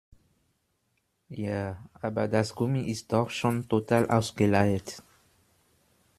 Ja, aber das Gummi ist doch schon total ausgeleiert.